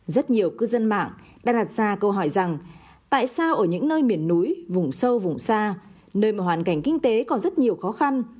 rất nhiều cư dân mạng đã đặt ra câu hỏi rằng tại sao ở những nơi miền núi vùng sâu vùng xa nơi mà hoàn cảnh kinh tế còn rất nhiều khó khăn